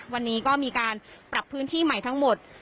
วันนี้ก็มีการปรับพื้นที่ใหม่ทั้งหมด